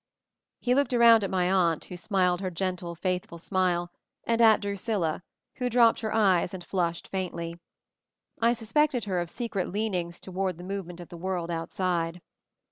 He looked around at my Aunt, who smiled her gentle, faithful smile, and at Drusilla, MOVING THE MOUNTAIN 281 who dropped her eyes and flushed faintly. I suspected her of secret leanings toward the movement of the world outside.